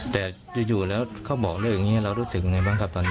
แต่อยู่แล้วเขาบอกเรื่องอย่างนี้เรารู้สึกยังไงบ้างครับตอนนี้